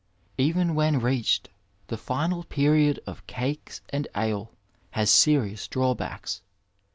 Even when reached the final period of ''cakes and ale" has serious drawbacks.